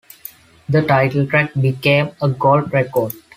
The title track became a gold record.